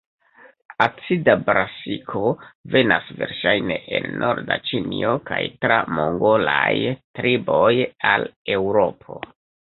Acida brasiko venas verŝajne el norda Ĉinio kaj tra mongolaj triboj al Eŭropo.